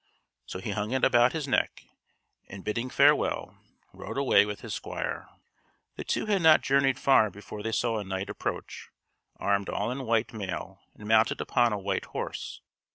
So he hung it about his neck, and, bidding farewell, rode away with his squire. The two had not journeyed far before they saw a knight approach, armed all in white mail and mounted upon a white horse.